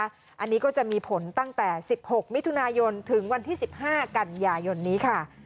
อันนี้ก็จะมีผลตั้งแต่๑๖มิถุนายนถึงวันที่๑๕กันยายนนี้ค่ะ